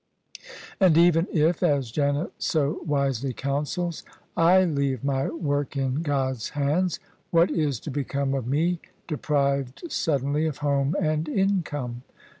"And even if — ^as Janet so wisely counsels — I leave my work in God's hands, what is to become of me, deprived suddenly of home and income?